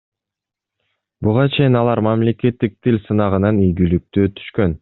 Буга чейин алар мамлекеттик тил сынагынан ийгиликтүү өтүшкөн.